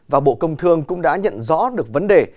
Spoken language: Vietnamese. và bộ công thương cũng đã nhận rõ được vấn đề